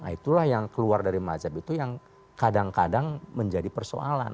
itulah yang keluar dari mazhab itu yang kadang kadang menjadi persoalan